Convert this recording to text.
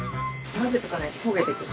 混ぜとかないと焦げてくる。